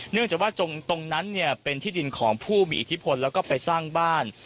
เนื่องจากว่าตรงนั้นเป็นที่ดินของผู้มีอิทธิพลแล้วก็ไปสร้างบ้าน